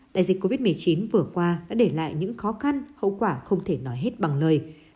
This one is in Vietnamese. đại dịch covid một mươi chín vừa qua đã để lại những khó khăn hậu quả không thể nói hết bằng lời